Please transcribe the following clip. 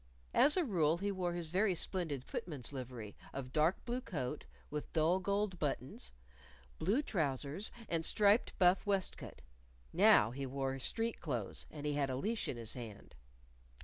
As a rule he wore his very splendid footman's livery of dark blue coat with dull gold buttons, blue trousers, and striped buff waistcoat. Now he wore street clothes, and he had a leash in his hand.